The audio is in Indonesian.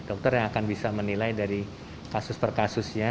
dokter yang akan bisa menilai dari kasus per kasusnya